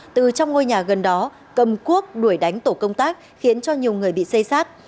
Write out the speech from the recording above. từ trong ngôi nhà gần đó cầm cuốc đuổi đánh tổ công tác khiến cho nhiều người bị xây sát